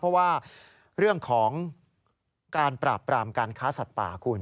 เพราะว่าเรื่องของการปราบปรามการค้าสัตว์ป่าคุณ